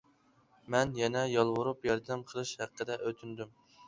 مەن يەنە يالۋۇرۇپ ياردەم قىلىش ھەققىدە ئۆتۈندۈم.